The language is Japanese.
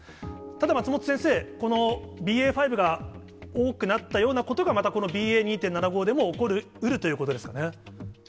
ただ、松本先生、このＢＡ．５が多くなったようなことが、またこのＢＡ．２．７５でも起こりうるということですかね。